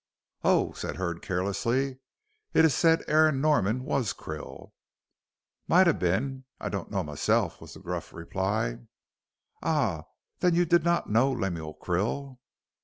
"Oh," said Hurd, carelessly, "it is said Aaron Norman was Krill." "Might ha' bin. I don't know myself," was the gruff reply. "Ah! Then you did not know Lemuel Krill?"